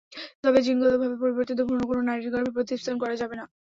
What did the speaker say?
তবে জিনগতভাবে পরিবর্তিত ভ্রূণ কোনো নারীর গর্ভে প্রতিস্থাপন করা যাবে না।